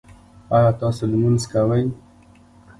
ایا تاسو لمونځ کوئ؟